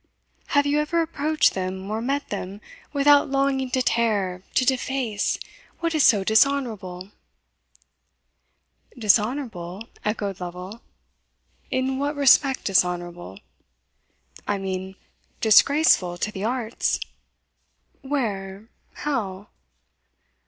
Have you ever approached them, or met them, without longing to tear, to deface, what is so dishonourable?" "Dishonourable!" echoed Lovel "in what respect dishonourable?" "I mean, disgraceful to the arts." "Where? how?"